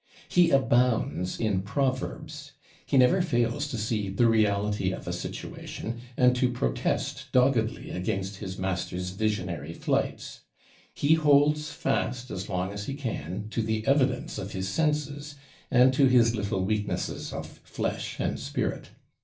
He abounds in proverbs. He never fails to see the reality of a situation, and to protest doggedly against his master's visionary flights. He holds fast as long as he can to the evidence of his senses, and to his little weaknesses of flesh and spirit.